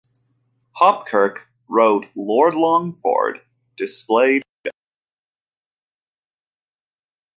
Hopkirk, wrote Lord Longford, displayed astonishing erudition.